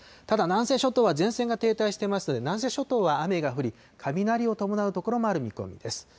ただ、南西諸島は前線が停滞していますので、南西諸島は雨が降り、雷を伴う所もある見込みです。